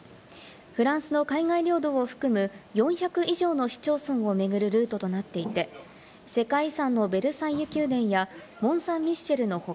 フランスの海外領土を含む、４００以上の市町村を巡るルートとなっていて、世界遺産のベルサイユ宮殿やモンサンミッシェルの他、